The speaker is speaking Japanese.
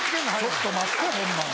ちょっと待ってホンマ。